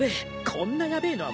こんなヤベえのは